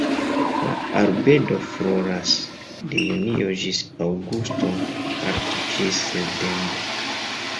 La arbedo floras de junio ĝis aŭgusto, part ĝis septembro.